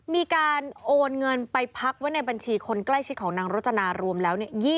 มีการโอนเงินไปพักไว้ในบัญชีคนใกล้ชิดของนางรจนารวมแล้ว